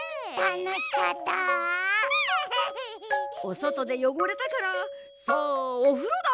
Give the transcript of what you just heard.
おそとでよごれたからさあおふろだ！